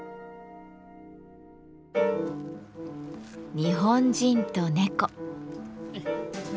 日本人と猫。